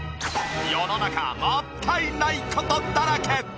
世の中もったいない事だらけ！